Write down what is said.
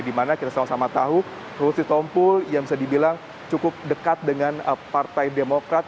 di mana kita selalu sama tahu husti sompul yang bisa dibilang cukup dekat dengan partai demokrat